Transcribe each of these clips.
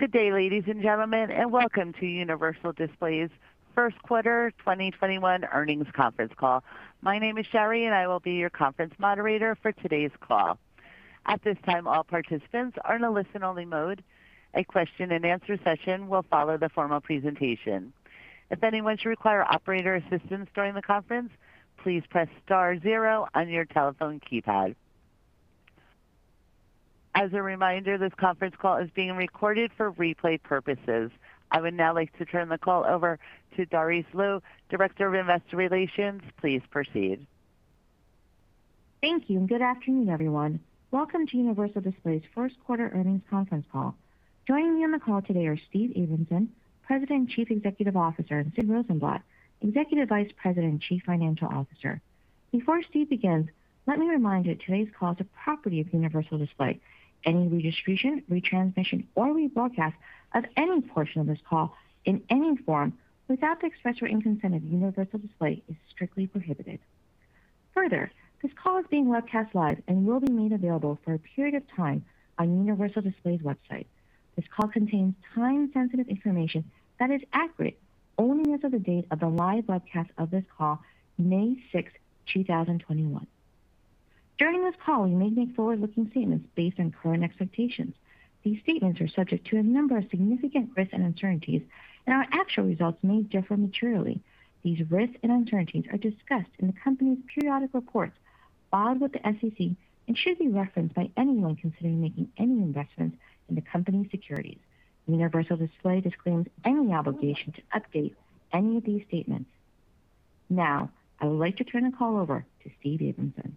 Good day, ladies and gentlemen, and welcome to Universal Display's first quarter 2021 earnings conference call. My name is Sherry, and I will be your conference moderator for today's call. At this time, all participants are in a listen-only mode. A question and answer session will follow the formal presentation. If anyone should require operator assistance during the conference, please press star zero on your telephone keypad. As a reminder, this conference call is being recorded for replay purposes. I would now like to turn the call over to Darice Liu, Director of Investor Relations. Please proceed. Thank you. Good afternoon, everyone. Welcome to Universal Display's first quarter earnings conference call. Joining me on the call today are Steve Abramson, President and Chief Executive Officer, and Sid Rosenblatt, Executive Vice President and Chief Financial Officer. Before Steve begins, let me remind you that today's call is a property of Universal Display. Any redistribution, retransmission, or rebroadcast of any portion of this call in any form without the express written consent of Universal Display is strictly prohibited. Further, this call is being webcast live and will be made available for a period of time on Universal Display's website. This call contains time-sensitive information that is accurate only as of the date of the live webcast of this call, May 6, 2021. During this call, we may make forward-looking statements based on current expectations. These statements are subject to a number of significant risks and uncertainties, and our actual results may differ materially. These risks and uncertainties are discussed in the company's periodic reports filed with the SEC and should be referenced by anyone considering making any investments in the company's securities. Universal Display disclaims any obligation to update any of these statements. I would like to turn the call over to Steve Abramson.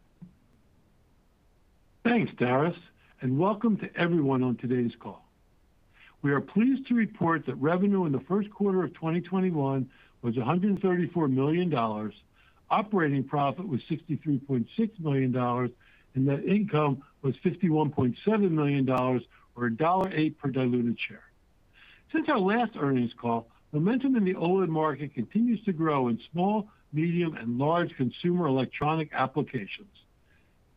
Thanks, Darice, and welcome to everyone on today's call. We are pleased to report that revenue in the first quarter of 2021 was $134 million, operating profit was $63.6 million, and net income was $51.7 million, or $1.08 per diluted share. Since our last earnings call, momentum in the OLED market continues to grow in small, medium, and large consumer electronic applications.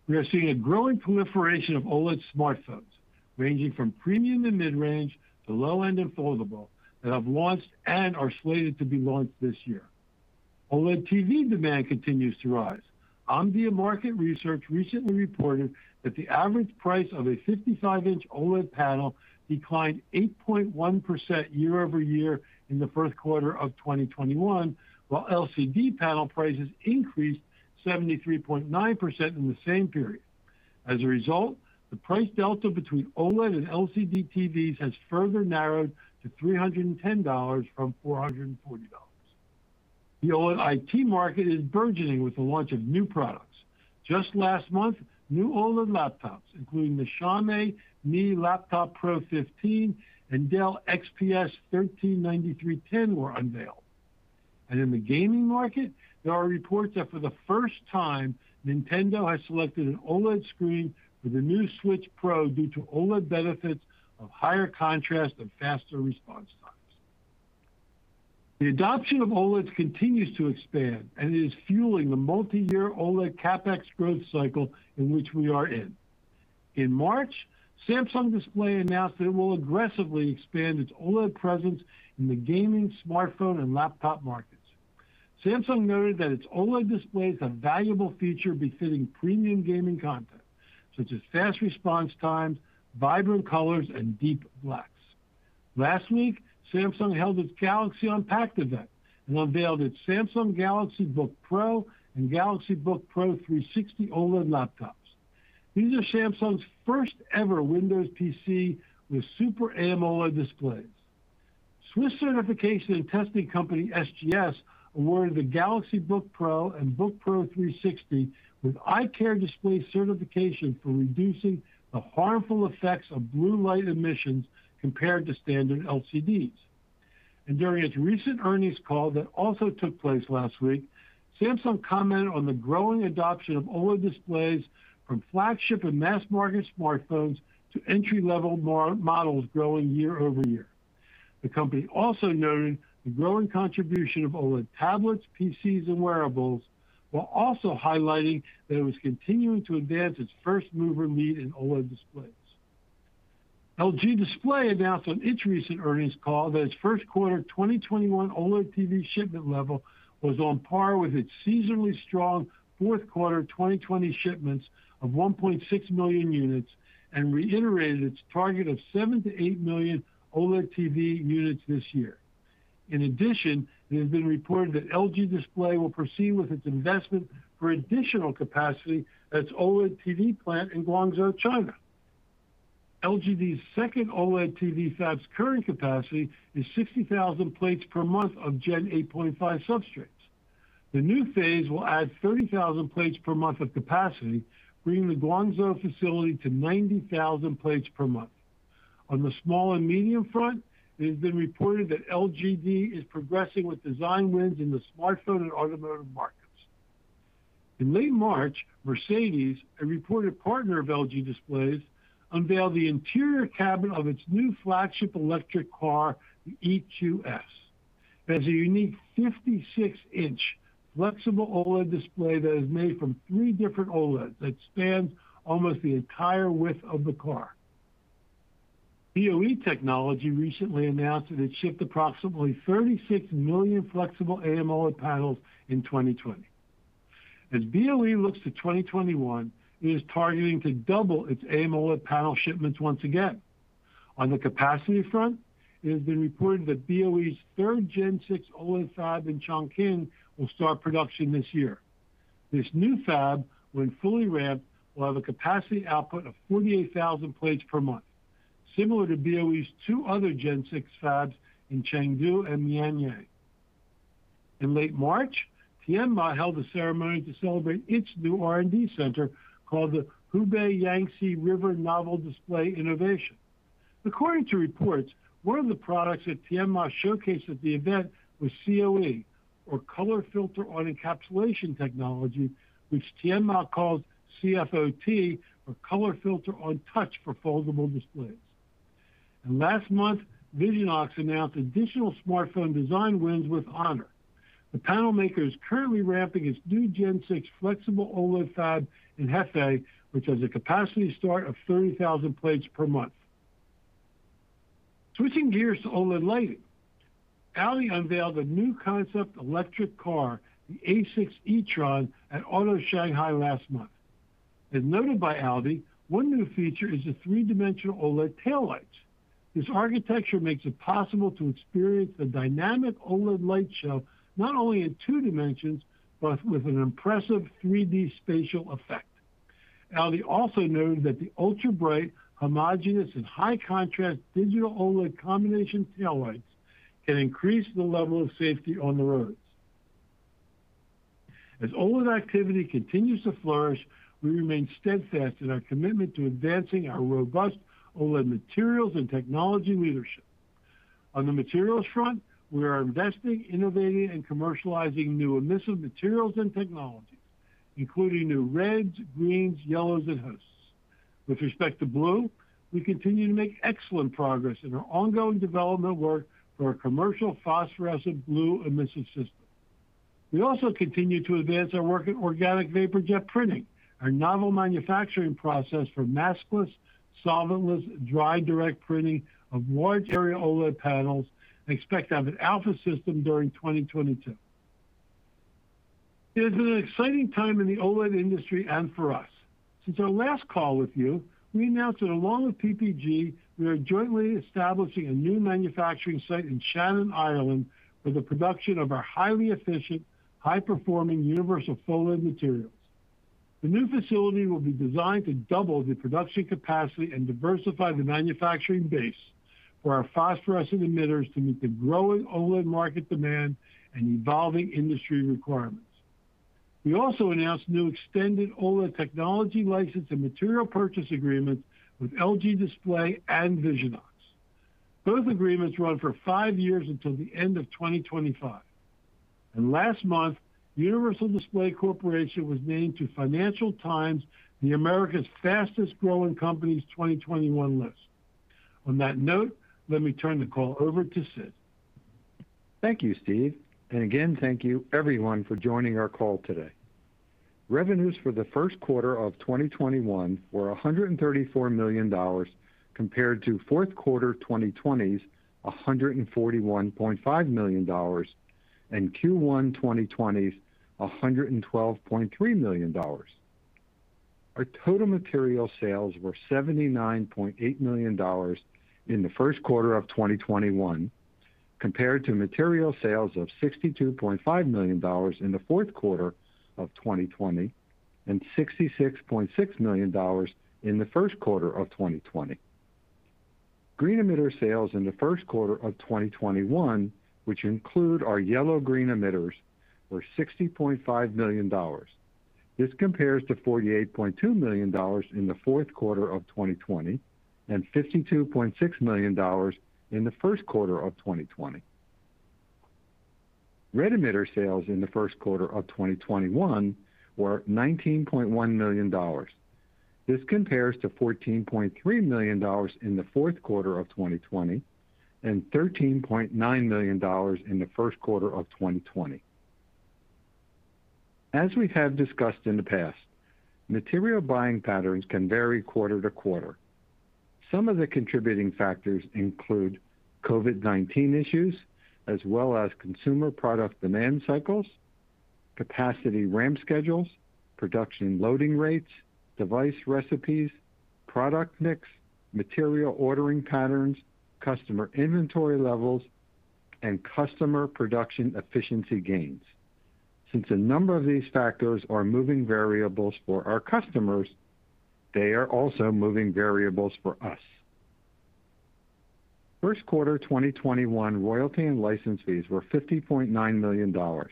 We are seeing a growing proliferation of OLED smartphones, ranging from premium to mid-range to low-end and foldable, that have launched and are slated to be launched this year. OLED TV demand continues to rise. Omdia recently reported that the average price of a 55 in OLED panel declined 8.1% year-over-year in the first quarter of 2021, while LCD panel prices increased 73.9% in the same period. As a result, the price delta between OLED and LCD TVs has further narrowed to $310 from $440. The OLED IT market is burgeoning with the launch of new products. Just last month, new OLED laptops, including the Xiaomi Mi Notebook Pro 15 and Dell XPS 13 9310 were unveiled. In the gaming market, there are reports that for the first time, Nintendo has selected an OLED screen for the new Switch Pro due to OLED benefits of higher contrast and faster response times. The adoption of OLEDs continues to expand and is fueling the multi-year OLED CapEx growth cycle in which we are in. In March, Samsung Display announced that it will aggressively expand its OLED presence in the gaming, smartphone, and laptop markets. Samsung noted that its OLED display is a valuable feature befitting premium gaming content, such as fast response times, vibrant colors, and deep blacks. Last week, Samsung held its Galaxy Unpacked event and unveiled its Samsung Galaxy Book Pro and Galaxy Book Pro 360 OLED laptops. These are Samsung's first-ever Windows PC with Super AMOLED displays. Swiss certification and testing company SGS awarded the Galaxy Book Pro and Book Pro 360 with eye care display certification for reducing the harmful effects of blue light emissions compared to standard LCDs. During its recent earnings call that also took place last week, Samsung commented on the growing adoption of OLED displays from flagship and mass-market smartphones to entry-level models, growing year-over-year. The company also noted the growing contribution of OLED tablets, PCs, and wearables, while also highlighting that it was continuing to advance its first-mover lead in OLED displays. LG Display announced on its recent earnings call that its first quarter 2021 OLED TV shipment level was on par with its seasonally strong fourth quarter 2020 shipments of 1.6 million units and reiterated its target of 7 million to 8 million OLED TV units this year. In addition, it has been reported that LG Display will proceed with its investment for additional capacity at its OLED TV plant in Guangzhou, China. LGD's second OLED TV fab's current capacity is 60,000 plates per month of Gen 8.5 substrates. The new phase will add 30,000 plates per month of capacity, bringing the Guangzhou facility to 90,000 plates per month. On the small and medium front, it has been reported that LGD is progressing with design wins in the smartphone and automotive markets. In late March, Mercedes, a reported partner of LG Display, unveiled the interior cabin of its new flagship electric car, the EQS. There's a unique 56 in flexible OLED display that is made from three different OLEDs that spans almost the entire width of the car. BOE Technology recently announced that it shipped approximately 36 million flexible AMOLED panels in 2020. As BOE looks to 2021, it is targeting to double its AMOLED panel shipments once again. On the capacity front, it has been reported that BOE's third Gen 6 OLED fab in Chongqing will start production this year. This new fab, when fully ramped, will have a capacity output of 48,000 plates per month, similar to BOE's two other Gen 6 fabs in Chengdu and Mianyang. In late March, Tianma held a ceremony to celebrate its new R&D center, called the Hubei Yangtze Industrial Innovation Center of Advanced Display. According to reports, one of the products that Tianma showcased at the event was COE, or color filter on encapsulation technology, which Tianma calls CFOT, or color filter on touch for foldable displays. Last month, Visionox announced additional smartphone design wins with Honor. The panel maker is currently ramping its new Gen 6 flexible OLED fab in Hefei, which has a capacity start of 30,000 plates per month. Switching gears to OLED lighting, Audi unveiled a new concept electric car, the A6 e-tron, at Auto Shanghai last month. As noted by Audi, one new feature is the 3-dimensional OLED taillights. This architecture makes it possible to experience the dynamic OLED light show, not only in 2 dimensions, but with an impressive 3D spatial effect. Audi also noted that the ultra-bright, homogenous, and high contrast digital OLED combination taillights can increase the level of safety on the roads. As OLED activity continues to flourish, we remain steadfast in our commitment to advancing our robust OLED materials and technology leadership. On the materials front, we are investing, innovating, and commercializing new emissive materials and technologies, including new reds, greens, yellows, and hosts. With respect to blue, we continue to make excellent progress in our ongoing development work for a commercial phosphorescent blue emissive system. We also continue to advance our work in Organic Vapor Jet Printing, our novel manufacturing process for maskless, solventless, dry direct printing of large area OLED panels, and expect to have an alpha system during 2022. It has been an exciting time in the OLED industry and for us. Since our last call with you, we announced that, along with PPG, we are jointly establishing a new manufacturing site in Shannon, Ireland, for the production of our highly efficient, high-performing Universal OLED materials. The new facility will be designed to double the production capacity and diversify the manufacturing base for our phosphorescent emitters to meet the growing OLED market demand and evolving industry requirements. We also announced new extended OLED technology license and material purchase agreements with LG Display and Visionox. Both agreements run for five years until the end of 2025. Last month, Universal Display Corporation was named to Financial Times' The Americas' Fastest-Growing Companies 2021 list. On that note, let me turn the call over to Sid. Thank you, Steve. Again, thank you, everyone, for joining our call today. Revenues for the first quarter of 2021 were $134 million compared to fourth quarter 2020's $141.5 million and Q1 2020's $112.3 million. Our total material sales were $79.8 million in the first quarter of 2021, compared to material sales of $62.5 million in the fourth quarter of 2020 and $66.6 million in the first quarter of 2020. Green emitter sales in the first quarter of 2021, which include our yellow-green emitters, were $60.5 million. This compares to $48.2 million in the fourth quarter of 2020 and $52.6 million in the first quarter of 2020. Red emitter sales in the first quarter of 2021 were $19.1 million. This compares to $14.3 million in the fourth quarter of 2020 and $13.9 million in the first quarter of 2020. As we have discussed in the past, material buying patterns can vary quarter-to-quarter. Some of the contributing factors include COVID-19 issues, as well as consumer product demand cycles, capacity ramp schedules, production loading rates, device recipes, product mix, material ordering patterns, customer inventory levels, and customer production efficiency gains. Since a number of these factors are moving variables for our customers, they are also moving variables for us. First quarter 2021 royalty and license fees were $50.9 million.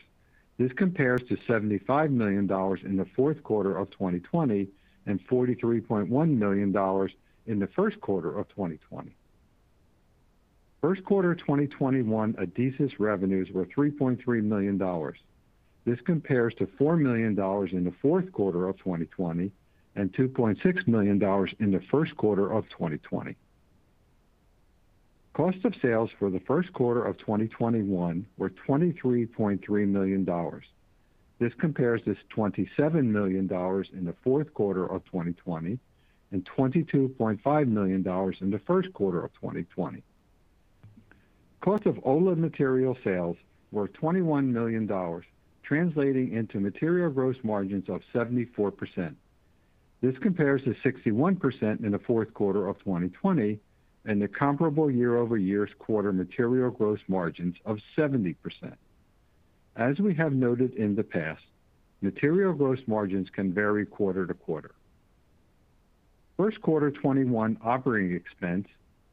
This compares to $75 million in the fourth quarter of 2020 and $43.1 million in the first quarter of 2020. First quarter 2021 adhesives revenues were $3.3 million. This compares to $4 million in the fourth quarter of 2020, and $2.6 million in the first quarter of 2020. Cost of sales for the first quarter of 2021 were $23.3 million. This compares to $27 million in the fourth quarter of 2020, and $22.5 million in the first quarter of 2020. Cost of OLED material sales were $21 million, translating into material gross margins of 74%. This compares to 61% in the fourth quarter of 2020, and the comparable year-over-year quarter material gross margins of 70%. As we have noted in the past, material gross margins can vary quarter-to-quarter. First quarter 2021 operating expense,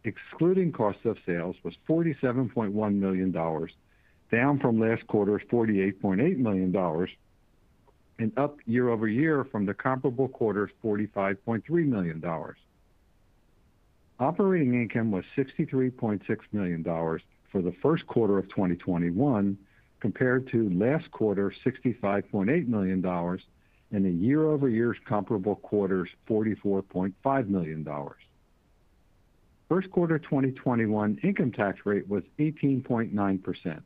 excluding cost of sales, was $47.1 million, down from last quarter's $48.8 million, and up year-over-year from the comparable quarter's $45.3 million. Operating income was $63.6 million for the first quarter of 2021, compared to last quarter $65.8 million, and the year-over-year comparable quarter's $44.5 million. First quarter 2021 income tax rate was 18.9%.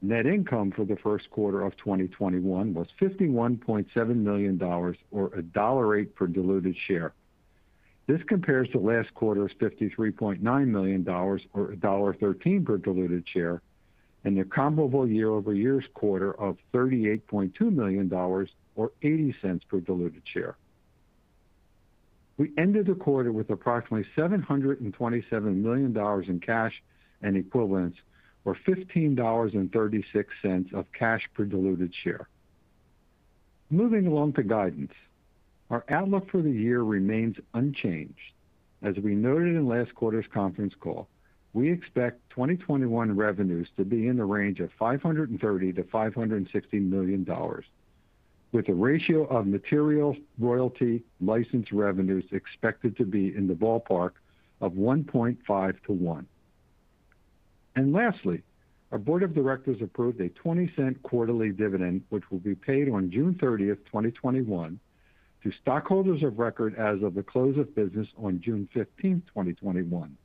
Net income for the first quarter of 2021 was $51.7 million, or $1.08 Per diluted share. This compares to last quarter's $53.9 million, or $1.13 per diluted share, and the comparable year-over-year quarter of $38.2 million, or $0.80 per diluted share. We ended the quarter with approximately $727 million in cash and equivalents, or $15.36 of cash per diluted share. Moving along to guidance. Our outlook for the year remains unchanged. As we noted in last quarter's conference call, we expect 2021 revenues to be in the range of $530 million-$560 million, with a ratio of material royalty license revenues expected to be in the ballpark of 1:5 to 1. Lastly, our board of directors approved a $0.20 quarterly dividend, which will be paid on June 30th, 2021, to stockholders of record as of the close of business on June 15th, 2021.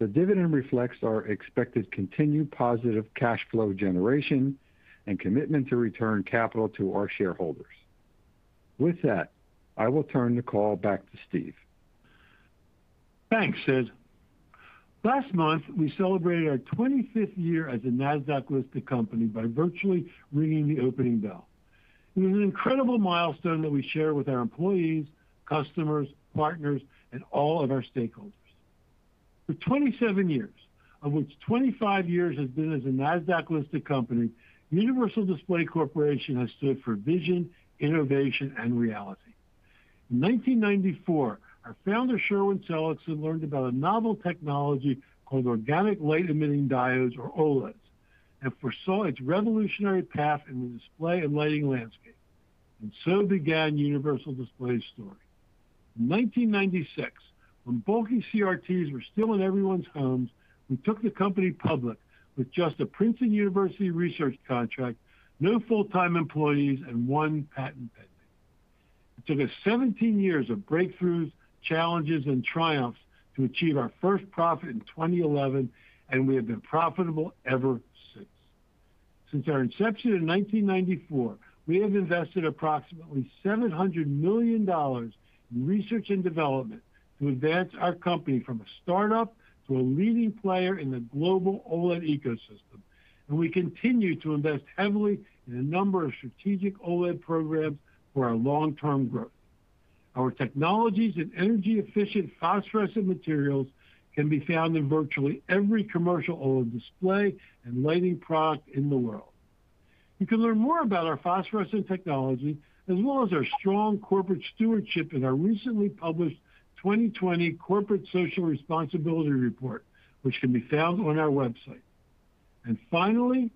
The dividend reflects our expected continued positive cash flow generation, and commitment to return capital to our shareholders. With that, I will turn the call back to Steve. Thanks, Sid. Last month, we celebrated our 25th year as a NASDAQ-listed company by virtually ringing the opening bell. It was an incredible milestone that we shared with our employees, customers, partners, and all of our stakeholders. For 27 years, of which 25 years have been as a NASDAQ-listed company, Universal Display Corporation has stood for vision, innovation, and reality. In 1994, our founder, Sherwin Seligsohn, learned about a novel technology called organic light-emitting diodes, or OLEDs, and foresaw its revolutionary path in the display and lighting landscape. Began Universal Display's story. In 1996, when bulky CRTs were still in everyone's homes, we took the company public with just a Princeton University research contract, no full-time employees, and one patent pending. It took us 17 years of breakthroughs, challenges, and triumphs to achieve our first profit in 2011, and we have been profitable ever since. Since our inception in 1994, we have invested approximately $700 million in research and development to advance our company from a startup to a leading player in the global OLED ecosystem. We continue to invest heavily in a number of strategic OLED programs for our long-term growth. Our technologies and energy-efficient phosphorescent materials can be found in virtually every commercial OLED display and lighting product in the world. You can learn more about our phosphorescent technology as well as our strong corporate stewardship in our recently published 2020 Corporate Social Responsibility Report, which can be found on our website. Finally,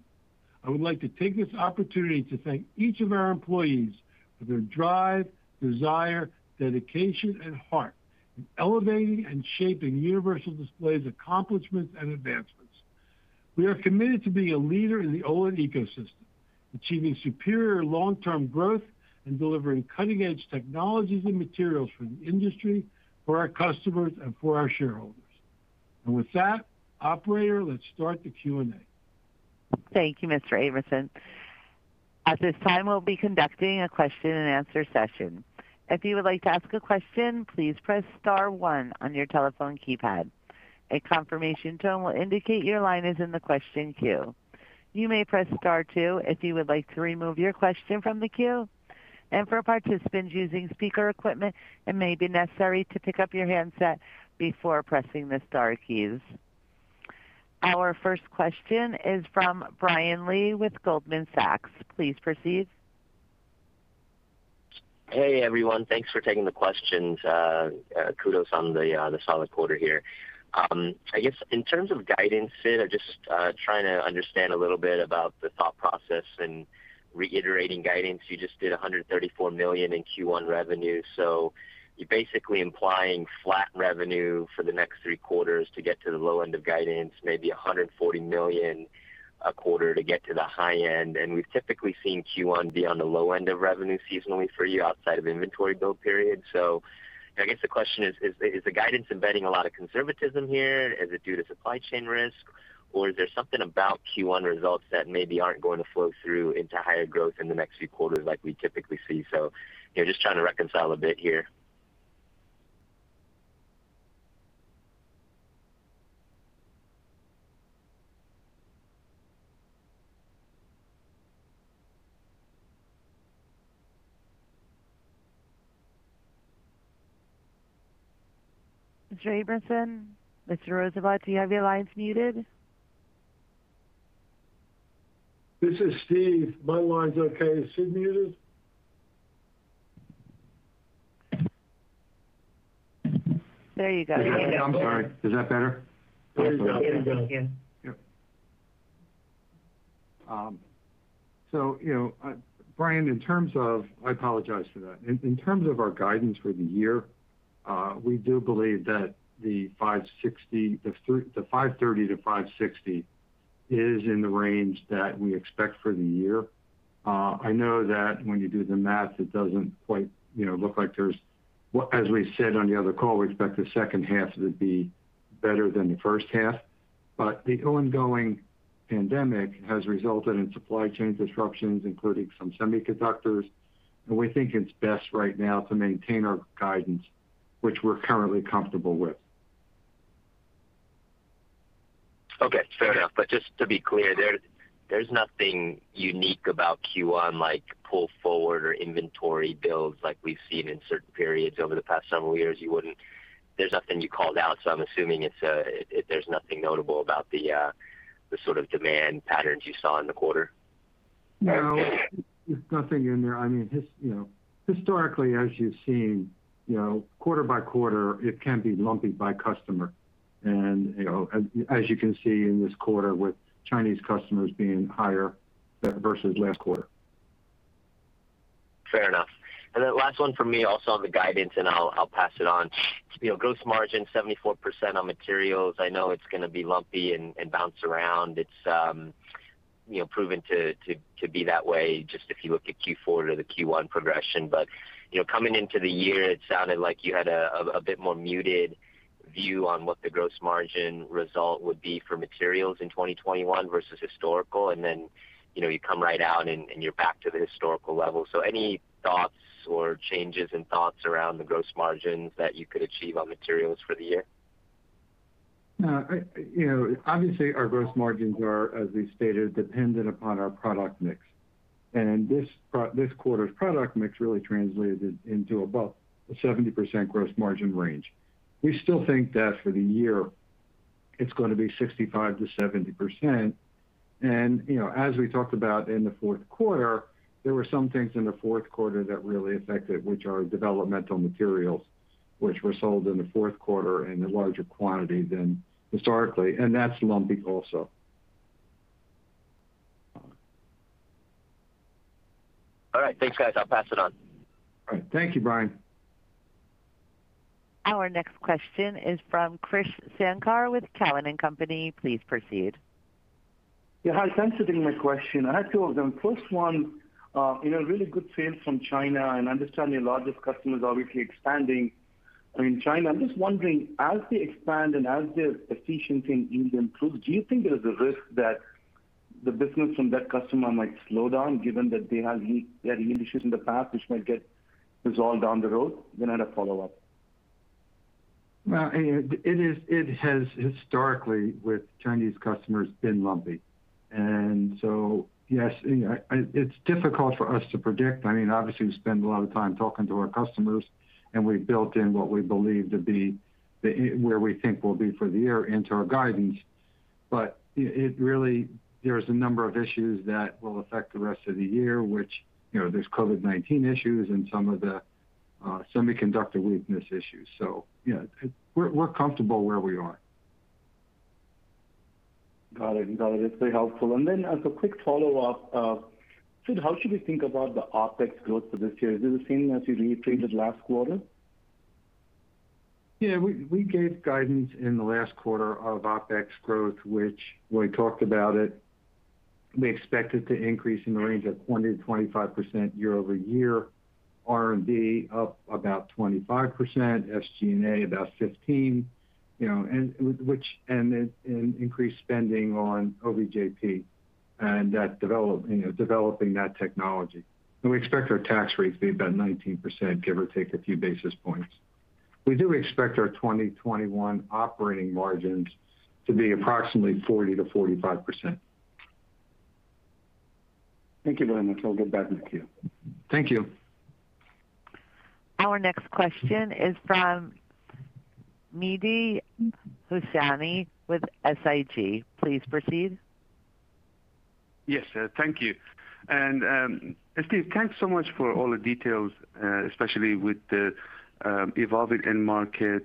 I would like to take this opportunity to thank each of our employees for their drive, desire, dedication, and heart in elevating and shaping Universal Display's accomplishments and advancements. We are committed to being a leader in the OLED ecosystem, achieving superior long-term growth, and delivering cutting-edge technologies and materials for the industry, for our customers, and for our shareholders. With that, operator, let's start the Q&A. Thank you, Mr. Abramson. At this time, we'll be conducting a question-and-answer session. If you would like to ask a question, please press star one on your telephone keypad. A confirmation tone will indicate your line is in the question queue. You may press star two if you would like to remove your question from the queue. For participants using speaker equipment, it may be necessary to pick up your handset before pressing the star keys. Our first question is from Brian Lee with Goldman Sachs. Please proceed. Hey everyone. Thanks for taking the questions. Kudos on the solid quarter here. I guess in terms of guidance, Sid, I'm just trying to understand a little bit about the thought process in reiterating guidance. You just did $134 million in Q1 revenue, you're basically implying flat revenue for the next three quarters to get to the low end of guidance, maybe $140 million a quarter to get to the high end, we've typically seen Q1 be on the low end of revenue seasonally for you outside of inventory build period. I guess the question is the guidance embedding a lot of conservatism here? Is it due to supply chain risk, or is there something about Q1 results that maybe aren't going to flow through into higher growth in the next few quarters, like we typically see? Just trying to reconcile a bit here. Mr. Abramson, Mr. Rosenblatt, do you have your lines muted? This is Steve. My line's okay. Is Sid muted? There you go. I'm sorry. Is that better? It is now. Yep. Brian, I apologize for that. In terms of our guidance for the year, we do believe that the $530-$560 is in the range that we expect for the year. As we said on the other call, we expect the second half to be better than the first half. The ongoing pandemic has resulted in supply chain disruptions, including some semiconductors, and we think it's best right now to maintain our guidance, which we're currently comfortable with. Okay, fair enough. Just to be clear, there's nothing unique about Q1, like pull forward, or inventory builds like we've seen in certain periods over the past several years. There's nothing you called out, so I'm assuming there's nothing notable about the sort of demand patterns you saw in the quarter? No, there's nothing in there. Historically, as you've seen, quarter-by-quarter, it can be lumpy by customer. As you can see, in this quarter with Chinese customers being higher versus last quarter. Fair enough. Last one from me also on the guidance, and I'll pass it on. Gross margin 74% on materials. I know it's going to be lumpy and bounce around. It's proven to be that way, just if you look at Q4 to the Q1 progression. Coming into the year, it sounded like you had a bit more muted view on what the gross margin result would be for materials in 2021 versus historical, and then you come right out and you're back to the historical level. Any thoughts or changes in thoughts around the gross margins that you could achieve on materials for the year? Obviously, our gross margins are, as we stated, dependent upon our product mix, and this quarter's product mix really translated into about the 70% gross margin range. We still think that for the year it's going to be 65%-70%. As we talked about in the fourth quarter, there were some things in the fourth quarter that really affected, which are developmental materials, which were sold in the fourth quarter in a larger quantity than historically, and that's lumpy also. All right. Thanks, guys. I'll pass it on. All right. Thank you, Brian. Our next question is from Krish Sankar with Cowen and Company. Please proceed. Yeah, hi. Thanks for taking my question. I have two of them. First one, really good sales from China, and understand your largest customer is obviously expanding in China. I'm just wondering, as they expand and as their efficiency in India improves, do you think there is a risk that the business from that customer might slow down, given that they had issues in the past, which might get resolved down the road? I had a follow-up. Well, it has historically, with Chinese customers, been lumpy. Yes, it's difficult for us to predict. Obviously, we spend a lot of time talking to our customers, and we've built in what we believe to be where we think we'll be for the year into our guidance. There are a number of issues that will affect the rest of the year, which, there's COVID-19 issues and some of the semiconductor weakness issues. We're comfortable where we are. Got it. That's very helpful. Then as a quick follow-up, Sid, how should we think about the OpEx growth for this year? Is it the same as you repeated last quarter? Yeah. We gave guidance in the last quarter of OpEx growth, which we talked about it. We expect it to increase in the range of 20%-25% year-over-year, R&D up about 25%, SG&A about 15%, and an increased spending on OVJP and developing that technology. We expect our tax rate to be about 19%, give or take a few basis points. We do expect our 2021 operating margins to be approximately 40%-45%. Thank you very much. I'll give back to queue. Thank you. Our next question is from Mehdi Hosseini with SIG. Please proceed. Yes, thank you. Steve, thanks so much for all the details, especially with the evolving end market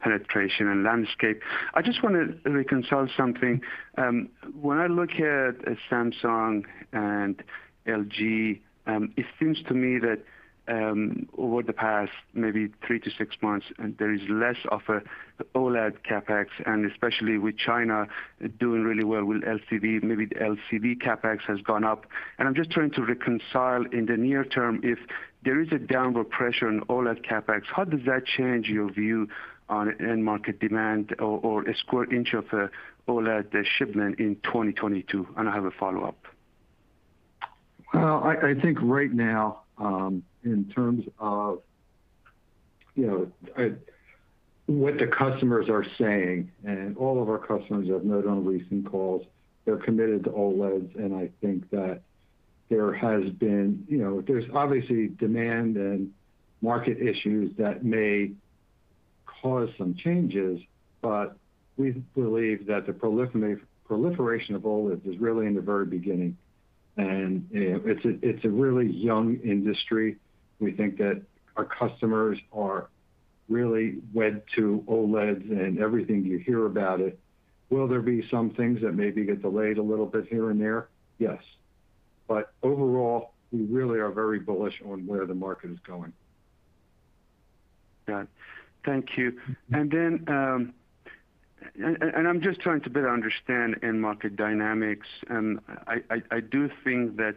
penetration and landscape. I just want to reconcile something. When I look at Samsung and LG, it seems to me that over the past maybe three to six months, there is less of a OLED CapEx, and especially with China doing really well with LCD, maybe the LCD CapEx has gone up. I'm just trying to reconcile in the near term, if there is a downward pressure on OLED CapEx, how does that change your view on end market demand or square inch of OLED shipment in 2022? I have a follow-up. Well, I think right now, in terms of what the customers are saying, and all of our customers you have noted on recent calls, they're committed to OLEDs, and I think that there's obviously demand and market issues that may cause some changes, but we believe that the proliferation of OLEDs is really in the very beginning. It's a really young industry. We think that our customers are really wed to OLEDs and everything you hear about it. Will there be some things that maybe get delayed a little bit here and there? Yes. Overall, we really are very bullish on where the market is going. Got it. Thank you. I'm just trying to better understand end-market dynamics. I do think that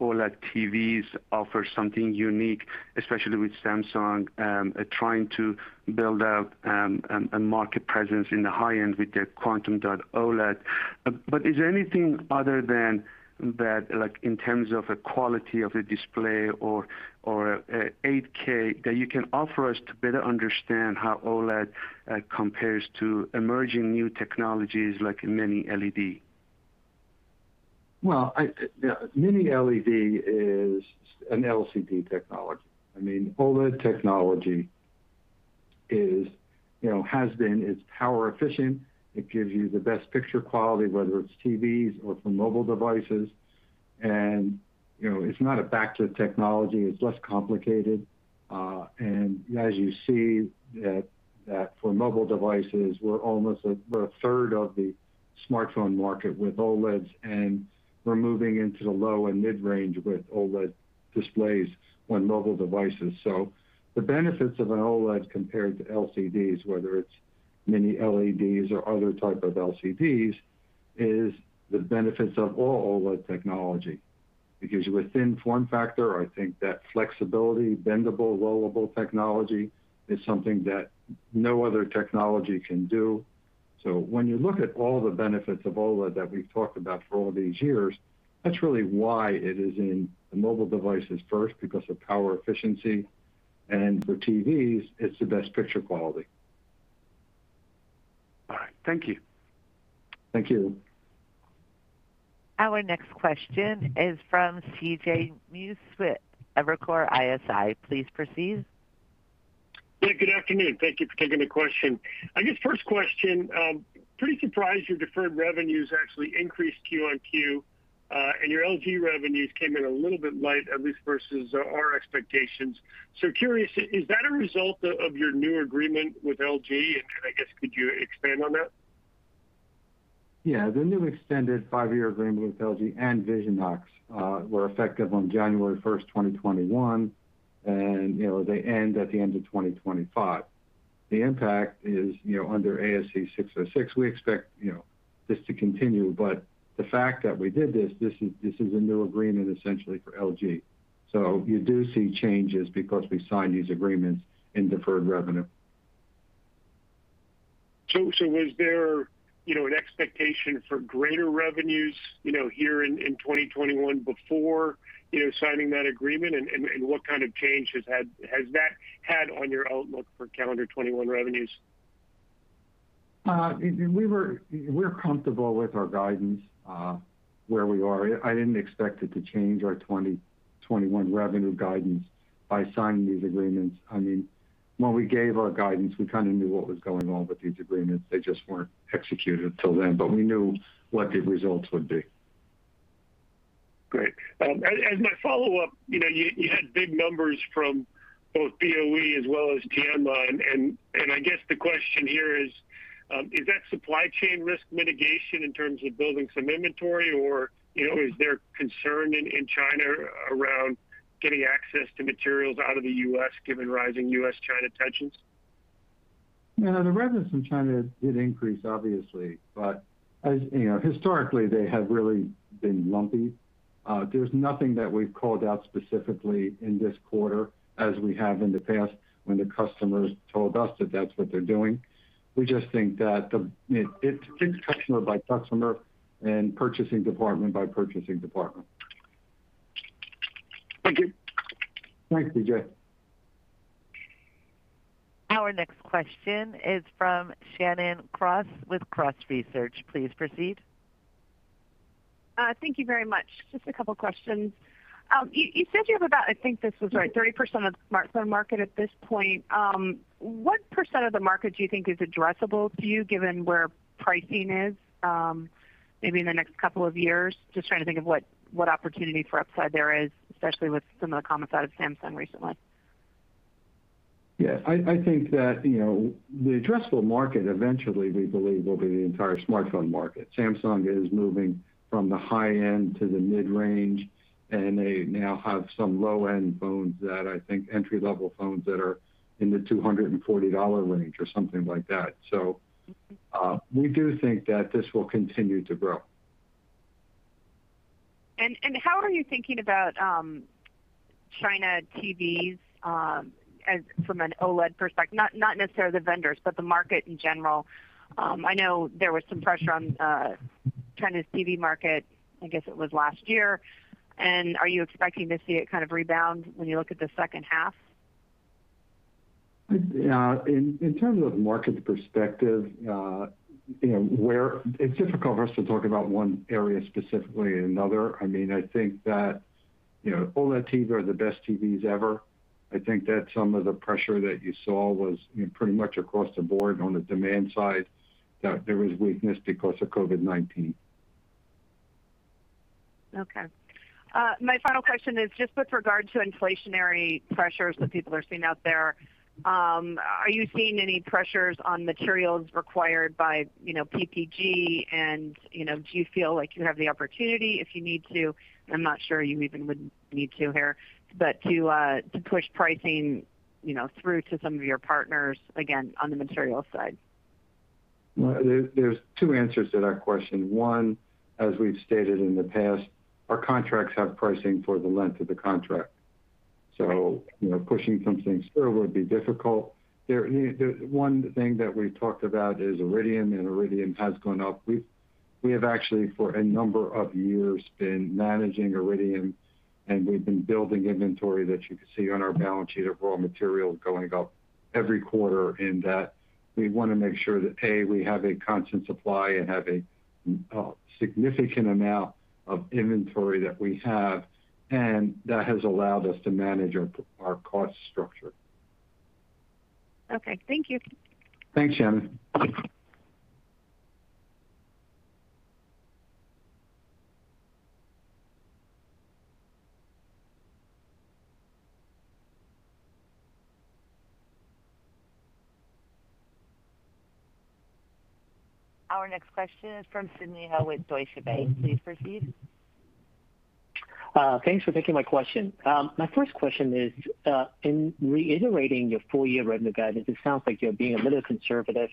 OLED TVs offer something unique, especially with Samsung trying to build out a market presence in the high end with their Quantum Dot OLED. Is there anything other than that, in terms of the quality of the display or 8K, that you can offer us to better understand how OLED compares to emerging new technologies like Mini LED? Well, Mini LED is an LCD technology. OLED technology is power efficient. It gives you the best picture quality, whether it's TVs or for mobile devices. It's not a backlit technology. It's less complicated. As you see that for mobile devices, we're a third of the smartphone market with OLEDs, and we're moving into the low and mid-range with OLED displays on mobile devices. The benefits of an OLED compared to LCDs, whether it's Mini LEDs or other type of LCDs, is the benefits of all OLED technology. It gives you a thin form factor. I think that flexibility, bendable, rollable technology is something that no other technology can do. When you look at all the benefits of OLED that we've talked about for all these years, that's really why it is in the mobile devices first, because of power efficiency. For TVs, it's the best picture quality. All right. Thank you. Thank you. Our next question is from CJ Muse with Evercore ISI. Please proceed. Yeah, good afternoon. Thank you for taking the question. I guess, first question, pretty surprised your deferred revenues actually increased QoQ, and your LG revenues came in a little bit light, at least versus our expectations. Curious, is that a result of your new agreement with LG? I guess, could you expand on that? Yeah. The new extended five-year agreement with LG and Visionox was effective on January 1, 2021, and they end at the end of 2025. The impact is under ASC 606. We expect this to continue. The fact that we did this is a new agreement, essentially for LG. You do see changes because we signed these agreements in deferred revenue. Was there an expectation for greater revenues here in 2021 before signing that agreement? And what kind of change has that had on your outlook for calendar 2021 revenues? We're comfortable with our guidance, where we are. I didn't expect it to change our 2021 revenue guidance by signing these agreements. When we gave our guidance, we kind of knew what was going on with these agreements. They just weren't executed till then, but we knew what the results would be. Great. As my follow-up, you had big numbers from both BOE as well as Tianma. I guess the question here is: Is that supply chain risk mitigation in terms of building some inventory, or is there concern in China around getting access to materials out of the U.S., given rising U.S.-China tensions? The revenues from China did increase, obviously. Historically, they have really been lumpy. There's nothing that we've called out specifically in this quarter as we have in the past when the customers told us that that's what they're doing. We just think that it's customer by customer and purchasing department by purchasing department. Thank you. Thanks, CJ. Our next question is from Shannon Cross with Cross Research. Please proceed. Thank you very much. Just a couple of questions. You said you have about, I think this was right, 30% of the smartphone market at this point. What percent of the market do you think is addressable to you, given where pricing is maybe in the next couple of years? Just trying to think of what opportunity for upside there is, especially with some of the comments out of Samsung recently. Yeah. I think that the addressable market, eventually, we believe, will be the entire smartphone market. Samsung is moving from the high end to the mid-range, and they now have some low-end phones that I think are entry-level phones that are in the $240 range or something like that. We do think that this will continue to grow. How are you thinking about China TVs from an OLED perspective, not necessarily the vendors, but the market in general? I know there was some pressure on China's TV market, I guess it was last year. Are you expecting to see it kind of rebound when you look at the second half? In terms of market perspective, it's difficult for us to talk about one area specifically and another. I think that OLED TVs are the best TVs ever. I think that some of the pressure that you saw was pretty much across the board on the demand side, that there was weakness because of COVID-19. Okay. My final question is just with regard to inflationary pressures that people are seeing out there. Are you seeing any pressures on materials required by PPG? Do you feel like you have the opportunity, if you need to, I'm not sure you even would need to here, but to push pricing through to some of your partners, again, on the material side? There are two answers to that question. One, as we've stated in the past, our contracts have pricing for the length of the contract. Pushing something through would be difficult. One thing that we've talked about is iridium. Iridium has gone up. We have actually, for a number of years, been managing iridium, and we've been building inventory that you can see on our balance sheet of raw material going up every quarter, in that we want to make sure that, A, we have a constant supply and have a significant amount of inventory that we have, and that has allowed us to manage our cost structure. Okay. Thank you. Thanks, Shannon. Our next question is from Sidney Ho with Deutsche Bank. Please proceed. Thanks for taking my question. My first question is, in reiterating your full-year revenue guidance, it sounds like you're being a little conservative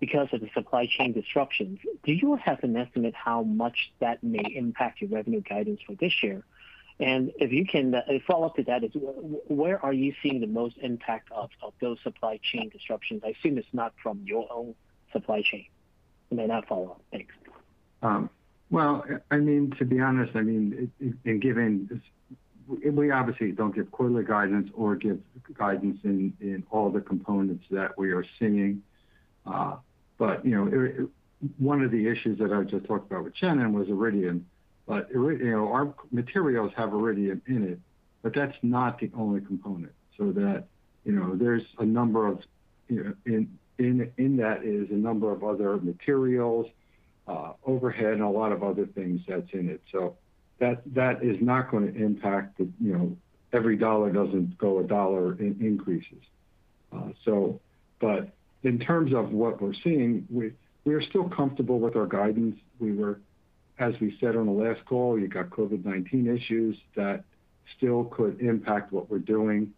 because of the supply chain disruptions. Do you have an estimate of how much that may impact your revenue guidance for this year? If you can, a follow-up to that is, where are you seeing the most impact of those supply chain disruptions? I assume it's not from your own supply chain. I may not follow up. Thanks. Well, to be honest, we obviously don't give quarterly guidance or give guidance in all the components that we are seeing. One of the issues that I just talked about with Shannon Cross was iridium. Our materials have iridium in it, but that's not the only component. In that is a number of other materials, overhead, and a lot of other things that's in it. That is not going to impact every dollar doesn't go a dollar in increases. In terms of what we're seeing, we are still comfortable with our guidance. As we said on the last call, you got COVID-19 issues that still could impact what we're doing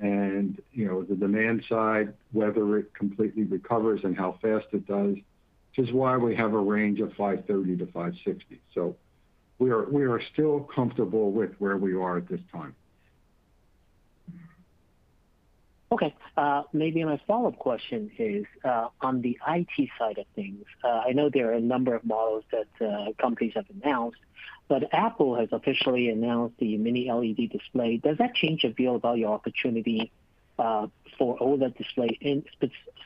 and the demand side, whether it completely recovers and how fast it does, which is why we have a range of $530 million-$560 million. We are still comfortable with where we are at this time. Okay. Maybe my follow-up question is on the IT side of things. I know there are a number of models that companies have announced. Apple has officially announced the Mini LED display. Does that change your view about your opportunity for OLED display,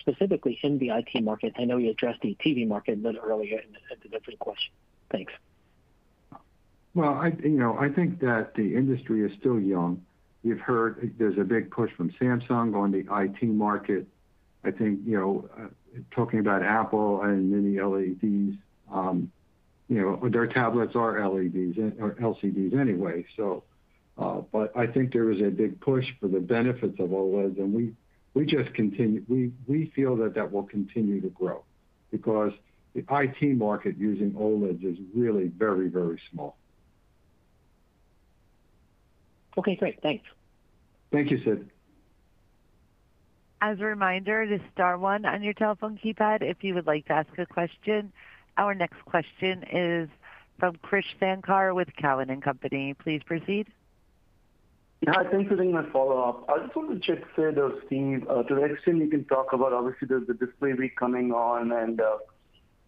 specifically in the IT market? I know you addressed the TV market a little earlier in a different question. Thanks. Well, I think that the industry is still young. You've heard there's a big push from Samsung in the IT market. I think talking about Apple and Mini LEDs, their tablets are LEDs or LCDs anyway. I think there is a big push for the benefits of OLEDs, and we feel that that will continue to grow because the IT market using OLED is really very, very small. Okay, great. Thanks. Thank you, Sidney. As a reminder, it is star one on your telephone keypad if you would like to ask a question. Our next question is from Krish Sankar with Cowen and Company. Please proceed. Yeah. Thanks for taking my follow-up. I just want to check, Steve, to the extent you can talk about, obviously, there's the Display Week coming on, and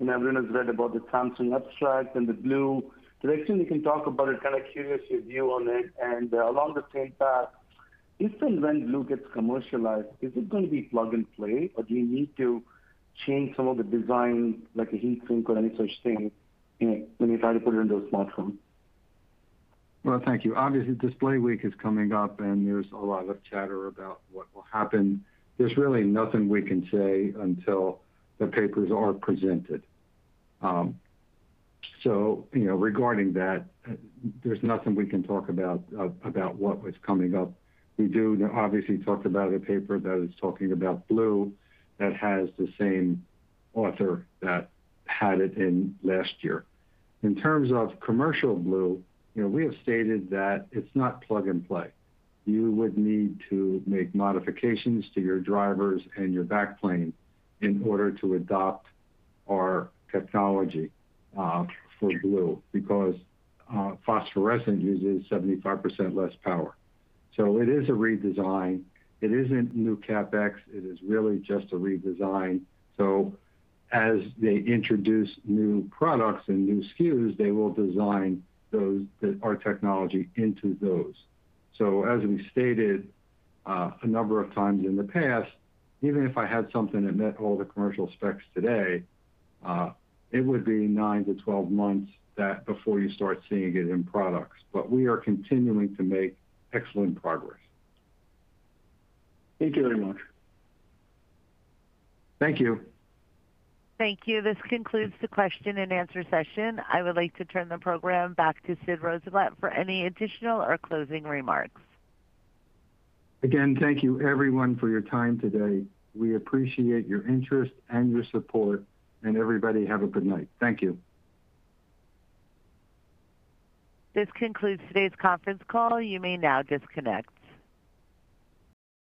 everyone has read about the Samsung abstract and the blue. I think we can talk about it. Kind of curious your view on it. Along the same path, if and when blue gets commercialized, is it going to be plug and play, or do you need to change some of the design, like a heat sink or any such thing, when you try to put it into a smartphone? Thank you. Obviously, Display Week is coming up, and there's a lot of chatter about what will happen. There's really nothing we can say until the papers are presented. Regarding that, there's nothing we can talk about what was coming up. We do obviously talk about a paper that is talking about blue that has the same author that had it in last year. In terms of commercial blue, we have stated that it's not plug and play. You would need to make modifications to your drivers and your back plane in order to adopt our technology for blue, because phosphorescent uses 75% less power. It is a redesign. It isn't new CapEx, it is really just a redesign. As they introduce new products and new SKUs, they will design our technology into those. As we stated a number of times in the past, even if I had something that met all the commercial specs today, it would be nine to 12 months before you start seeing it in products. We are continuing to make excellent progress. Thank you very much. Thank you. Thank you. This concludes the question-and-answer session. I would like to turn the program back to Sid Rosenblatt for any additional or closing remarks. Again, thank you everyone for your time today. We appreciate your interest and your support. Everybody, have a good night. Thank you. This concludes today's conference call. You may now disconnect.